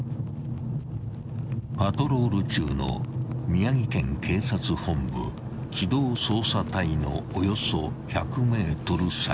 ［パトロール中の宮城県警察本部機動捜査隊のおよそ１００ｍ先］